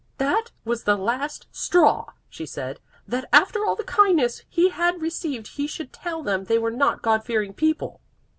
"That was the last straw," she said, "that after all the kindness he had received he should tell them they were not God fearing people."